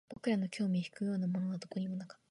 僕らの興味を引くようなものはどこにもなかった